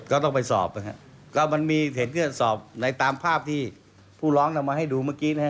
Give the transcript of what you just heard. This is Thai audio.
ก็ต้องไปสอบนะฮะก็มันมีเหตุเพื่อสอบในตามภาพที่ผู้ร้องนำมาให้ดูเมื่อกี้นะฮะ